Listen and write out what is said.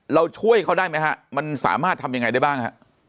เราช่วยเขาได้ไหมฮะมันสามารถทำยังไงได้บ้างฮะ